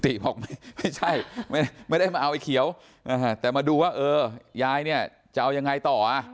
ติบอกไม่ใช่ไม่ได้มาเอาไอ้เขียวแต่มาดูว่าเออยายเนี่ยจะเอายังไงต่อ